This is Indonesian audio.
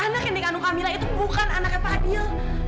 anak indi kanu kamila itu bukan anaknya fadil